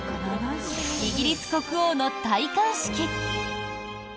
イギリス国王の戴冠式。